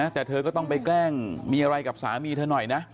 แต่เธอก็ต้องไปแกล้งมีอะไรกับสามีเธอหน่อยนะ